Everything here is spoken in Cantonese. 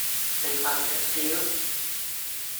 你發羊吊?